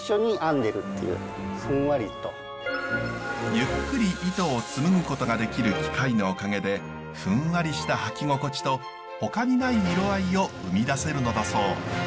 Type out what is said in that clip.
ゆっくり糸を紡ぐことができる機械のおかげでふんわりした履き心地とほかにない色合いを生み出せるのだそう。